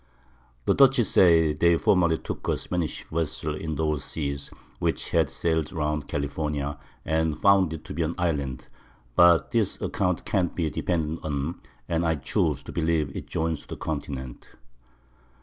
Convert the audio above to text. The Dutch say, they formerly took a Spanish Vessel in those Seas, which had sail'd round California, and found it to be an Island; but this Account can't be depended on, and I choose to believe it joins to the Continent.